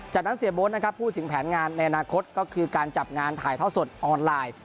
จากนั้นเสียโบ๊ทนะครับพูดถึงแผนงานในอนาคตก็คือการจับงานถ่ายท่อสดออนไลน์